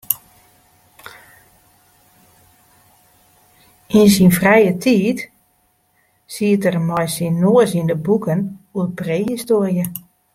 Yn syn frije tiid siet er mei syn noas yn de boeken oer prehistoarje.